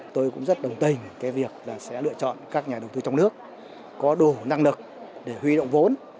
tôi cũng rất đồng tình cái việc là sẽ lựa chọn các nhà đầu tư trong nước có đủ năng lực để huy động vốn